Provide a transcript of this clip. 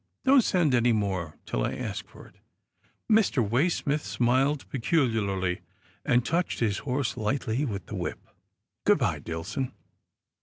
Don't send any more till I ask for it." Mr. Waysmith smiled peculiarly, and touched his horse lightly with the whip. " Good bye, Dillson."